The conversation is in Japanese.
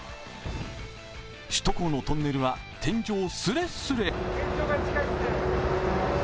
首都高のトンネルは天井すれすれ。